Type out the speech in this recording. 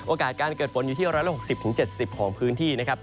โอกาสการเกิดฝนอยู่ที่ร้อยละ๖๐๗๐ของพื้นที่นะครับ